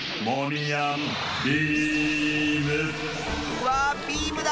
うわあビームだ！